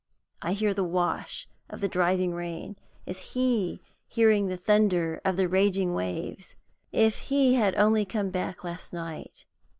I hear the wash of the driving rain. Is he hearing the thunder of the raging waves? If he had only come back last night!